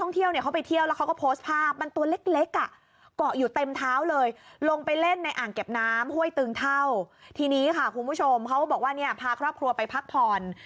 ที่นี่ค่ะคุณผู้ชมเขาพาครอบครัวนั้นไปพักผ่อน